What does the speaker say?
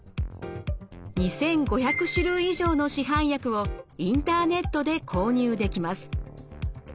２５００種類以上の市販薬をインターネットで購入できます。